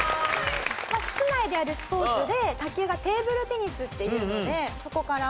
まあ室内でやるスポーツで卓球がテーブルテニスっていうのでそこから。